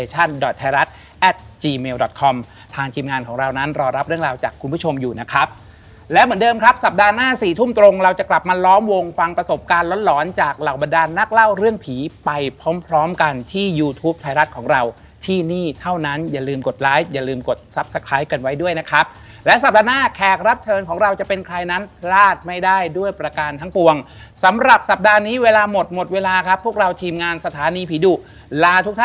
จนวันหนึ่งมีเป็นเกมโชว์มาอันหนึ่งให้ออกคู่พี่แม่เลยในรายการจะมีละครสั้นเป็นเกี่ยวกับนางนาค